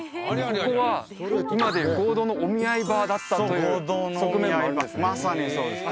ここは今でいう合同のお見合い場だったという側面もあるんですね